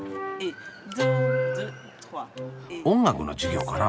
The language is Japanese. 音楽の授業かな？